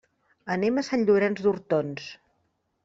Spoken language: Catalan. Anem a Sant Llorenç d'Hortons.